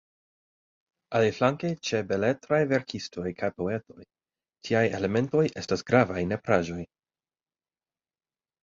Aliflanke, ĉe beletraj verkistoj kaj poetoj, tiaj elementoj estas gravaj nepraĵoj.